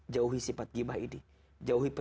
jauhi sifat gibah ini